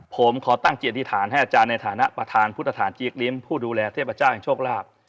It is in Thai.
ผมขอตั้งจิตอธิษฐานให้อาจารย์ในฐานะประธานพุทธฐานจี๊กลิ้มผู้ดูแลเทพเจ้าแห่งโชคลาภ